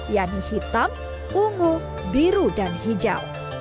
yakni hitam ungu biru dan hijau